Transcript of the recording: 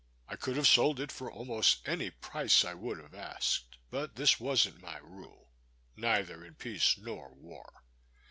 I could have sold it for almost any price I would have asked; but this wasn't my rule, neither in peace nor war.